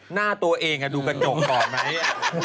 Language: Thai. หน้าตัวเองดูกระจกก่อนไหม